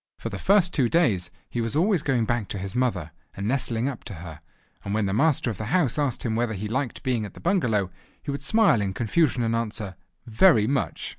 For the first two days he was always going back to his mother, and nestling up to her: and when the master of the house asked him whether he liked being at the bungalow, he would smile in confusion and answer: "Very much!"